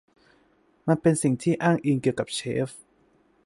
มันเป็นสิ่งที่อ้างอิงเกี่ยวกับเชฟ